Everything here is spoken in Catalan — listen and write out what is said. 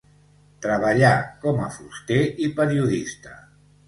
Treballà com a fuster i periodista.